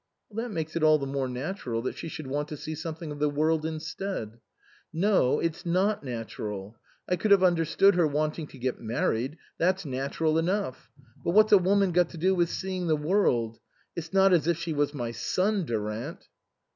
"That makes it all the more natural that she should want to see something of the world instead." "No, it's not natural. I could have under stood her wanting to get married, that's natural enough ; but what's a woman got to do with see ing the world ? It's not as if she was my son, Durant."